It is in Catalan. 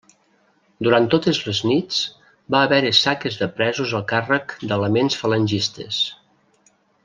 Durant totes les nits va haver-hi saques de presos a càrrec d'elements falangistes.